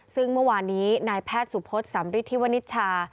ซึ่งเมื่อวานนี้นายแพทย์สุพศสำริทธิวนิชชา